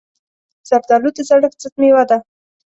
زردالو د زړښت ضد مېوه ده.